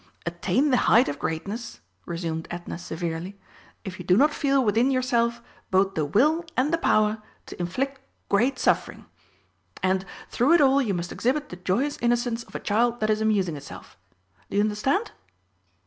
"'Attain the height of greatness,'" resumed Edna severely, "if you do not feel within yourself both the will and the power to inflict great suffering! And 'through it all you must exhibit the joyous innocence of a child that is amusing itself.' Do you understand?"